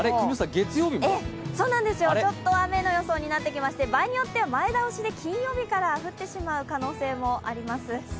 月曜日も雨の予想になってきまして、場合によっては前倒しで金曜日から降ってしまう可能性もあります。